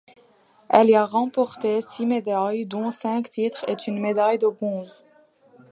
Elle y a remporté six médailles dont cinq titres et une médaille de bronze.